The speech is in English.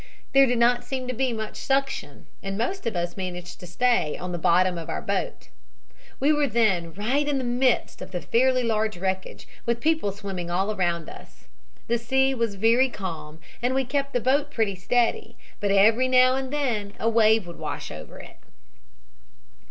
There did not seem to be very much suction and most of us managed to stay on the bottom of our boat. "We were then right in the midst of fairly large wreckage, with people swimming all around us. The sea was very calm and we kept the boat pretty steady, but every now and then a wave would wash over it.